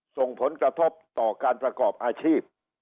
ส่งผลกระทบต่อการประกอบอาชีพ